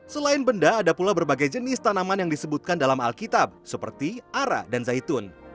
selain benda ada pula berbagai jenis tanaman yang disebutkan dalam alkitab seperti ara dan zaitun